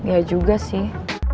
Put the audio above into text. ya juga sih